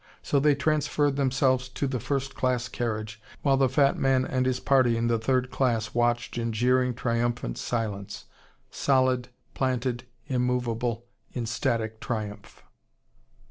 So they transferred themselves to the first class carriage, while the fat man and his party in the third class watched in jeering, triumphant silence. Solid, planted, immovable, in static triumph.